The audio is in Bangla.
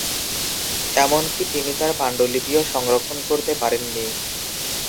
এমনকি তিনি তাঁর পান্ডুলিপিও সংরক্ষণ করতে পারেননি।